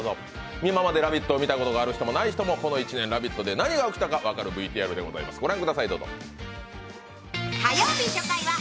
今まで「ラヴィット！」を見たことある人も、ない人もこの１年、「ラヴィット！」で何が起きたか分かるＶＴＲでございます。